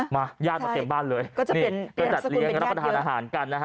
ญาติมาเต็มบ้านเลยนี่ก็จัดเลี้ยงรับประทานอาหารกันนะฮะ